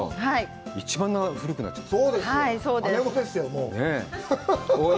一番古くなっちゃった。